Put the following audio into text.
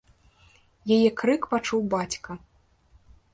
Яе крык пачуў бацька.